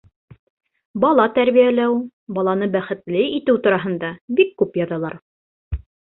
Бала тәрбиәләү, баланы бәхетле итеү тураһында бик күп яҙалар.